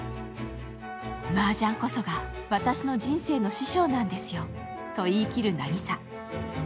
マージャンこそが私の人生の師匠なんですよと、言い切る渚。